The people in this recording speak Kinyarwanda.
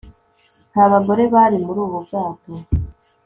Nta bagore bari muri ubu bwato